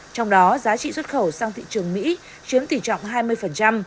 trong đó giá trị xuất khẩu sang thị trường mỹ chiếm tỷ trọng hai mươi